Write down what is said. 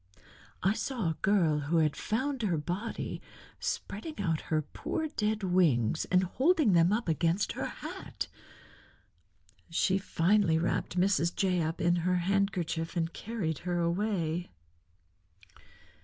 I saw a girl, who had found her body, spreading out her poor dead wings and holding them up against her hat. She finally wrapped Mrs. Jay up in her handkerchief and carried her away."